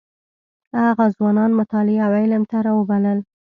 هغه ځوانان مطالعې او علم ته راوبلل.